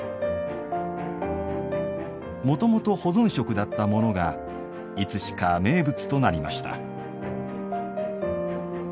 もともと保存食だったものがいつしか名物となりました。